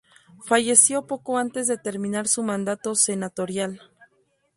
Falleció poco antes de terminar su mandato senatorial.